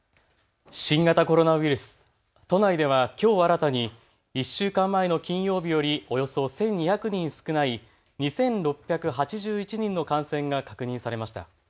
新型コロナウイルス、都内ではきょう新たに１週間前の金曜日よりおよそ１２００人少ない２６８１人の感染が確認されました。